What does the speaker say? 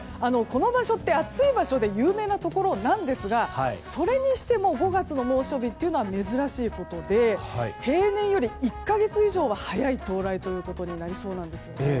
この場所って暑い場所で有名なところなんですがそれにしても５月の猛暑日は珍しいことで平年より１か月以上早い到来ということになりそうなんです。